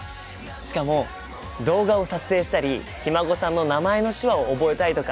しかも動画を撮影したりひ孫さんの名前の手話を覚えたいとかすごいよね。